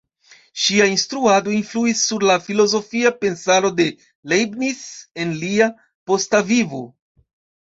Ŝia instruado influis sur la filozofia pensaro de Leibniz en lia posta vivo.